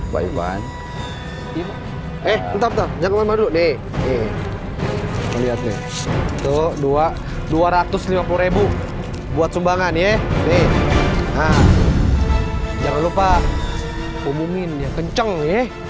pak ipan eh bentar bentar jangan kemana mana dulu nih nih lihat nih tuh dua ratus lima puluh ribu buat sumbangan ya nih nah jangan lupa hubungin ya kenceng ya